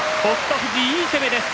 富士、いい攻めです。